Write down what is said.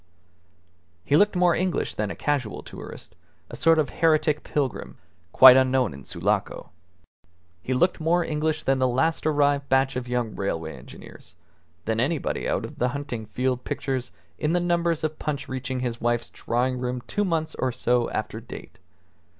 He looked more English than a casual tourist, a sort of heretic pilgrim, however, quite unknown in Sulaco. He looked more English than the last arrived batch of young railway engineers, than anybody out of the hunting field pictures in the numbers of Punch reaching his wife's drawing room two months or so after date.